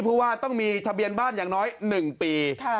เพราะว่าต้องมีทะเบียนบ้านอย่างน้อย๑ปี